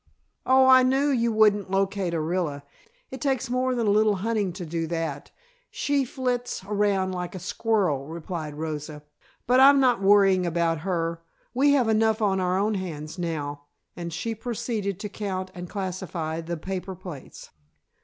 "Oh, I knew you wouldn't locate Orilla. It takes more than a little hunting to do that. She flits around like a squirrel," replied Rosa. "But I'm not worrying about her. We have enough on our own hands now," and she proceeded to count and classify the paper plates.